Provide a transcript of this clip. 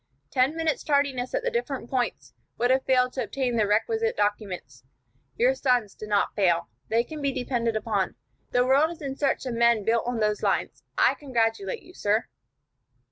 Ten minutes' tardiness at the different points would have failed to obtain the requisite documents. Your sons did not fail. They can be depended upon. The world is in search of men built on those lines. I congratulate you, sir."